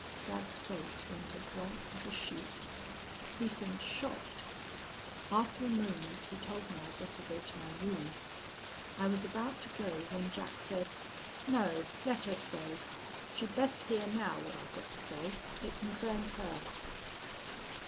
"Dad's face went as white as a sheet. He seemed shocked. After a moment he told me I'd better go to my room. I was about to go when Jack said: 'No, let her stay. She'd best hear now what I've got to say. It concerns her.'